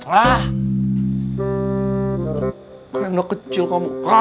kayaknya udah kecil kamu